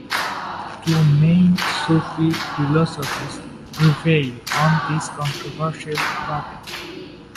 Two main Sufi philosophies prevail on this controversial topic.